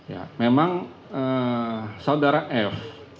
ya memang saudara f